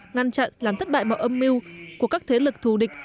ngăn chặn làm thất bại mọi âm mưu của các thế lực thù địch